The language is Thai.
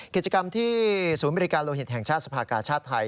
กิจกรรมที่ศูนย์บริการโลหิตแห่งชาติสภากาชาติไทย